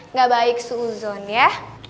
nggak baik suuzon ya